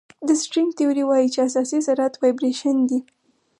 د سټرینګ تیوري وایي چې اساسي ذرات وایبریشن دي.